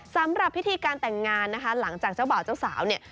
สำหรับพิธีการแต่งงานนะคะหลังจากเจ้าบ่าวเจ้าสาวเนี่ย